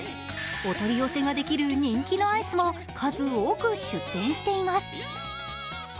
お取り寄せができる人気のアイスも数多く出展しています。